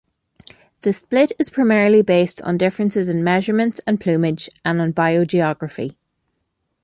The split is primarily based on differences in measurements and plumage, and on biogeography.